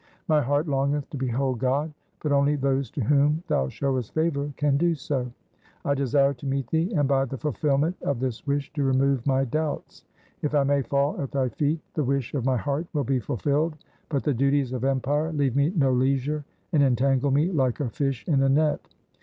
My heart longeth to behold God, but only those to whom thou showest favour can do so. I desire to meet thee and by the fulfilment of this wish to remove my doubts. If I may fall at thy feet the wish of my heart will be fulfilled, but the duties of empire leave me no leisure and entangle me like a fish in a net.